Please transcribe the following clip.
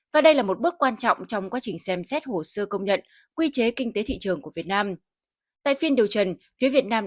và đây là một bước quan trọng trong quá trình xem xét hồ sơ công nhận quy chế kinh tế thị trường của việt nam